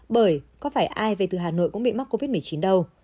bởi có phải ai về từ hà nội cũng bị mắc covid một mươi chín đâu